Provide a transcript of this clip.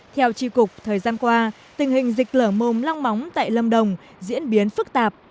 theo tri cục thời gian qua tình hình dịch lở mồm long móng tại lâm đồng diễn biến phức tạp